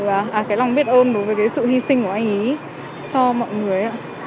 à cái lòng biết ơn đối với cái sự hy sinh của anh ấy cho mọi người ạ